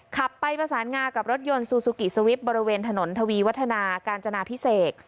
ขับไปประสานงากับรถยนต์ซูซูกิสวิปบริเวณถนนทวีวัฒนาการจนาพิเศษ